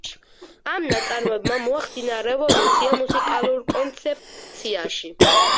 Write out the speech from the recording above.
ამ ნაწარმოებმა მოახდინა რევოლუცია მუსიკალურ კონცეფციაში.